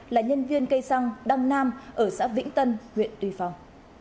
là nhân viên cây răng đăng nam ở xã vĩnh tân huyện tuy phòng